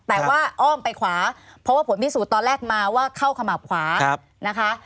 แต่ว่าอ้อมไปขวาเพราะว่าผลพิสูจน์ตอนแรกมาว่าเข้าขมับขวานะคะ